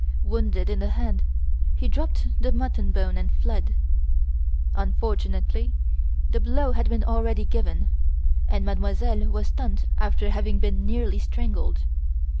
Wounded in the hand, he dropped the mutton bone and fled. Unfortunately, the blow had been already given, and Mademoiselle was stunned after having been nearly strangled.